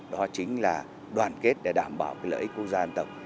đó chính là đoàn kết để đảm bảo lợi ích quốc gia dân tộc